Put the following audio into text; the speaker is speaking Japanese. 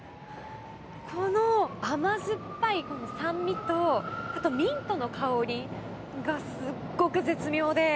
この甘酸っぱい酸味とミントの香りが、すごく絶妙で。